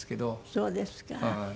そうですか。